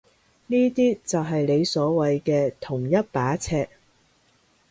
呢啲就係你所謂嘅同一把尺？